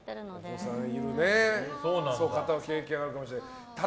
お子さんいる方は経験あるかもしれないですけど。